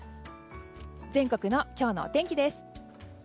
全国の今日のお天気です。